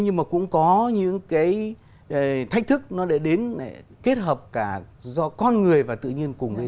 nhưng mà cũng có những cái thách thức nó để đến kết hợp cả do con người và tự nhiên cùng gây ra